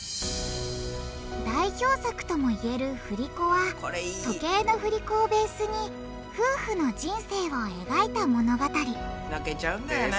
代表作ともいえる「振り子」は時計の振り子をベースに夫婦の人生を描いた物語泣けちゃうんだよね。